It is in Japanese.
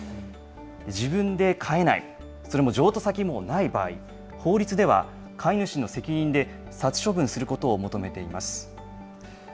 自分で飼えない、それも譲渡先もない場合、法律では飼い主の責任で殺処分することを求めています。